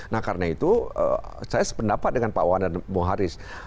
nah karena itu saya sependapat dengan pak wanda moharis